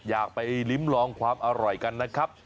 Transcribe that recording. อยากไปลิ้มลองความอร่อยกันนะครับ